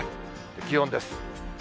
気温です。